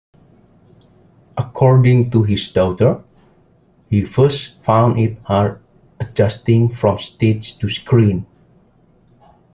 According to his daughter, he first found it hard adjusting from stage to screen.